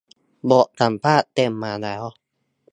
บทสัมภาษณ์เต็มมาแล้ว